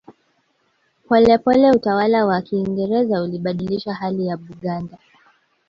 Polepole utawala wa Kiingereza ulibadilisha hali ya Buganda